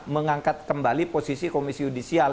mengangkat kembali posisi komisi yudisial